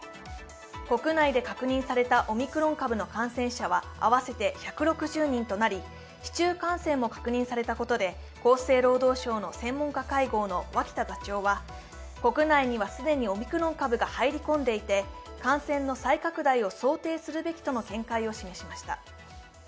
国内で確認されたオミクロン株の感染者は合わせて１６０人となり、市中感染も確認されたことで厚生労働省の専門家会合の脇田座長は国内には既にオミクロン株が入り込んでいて感染の再拡大を想定するべきとの見解を示しました。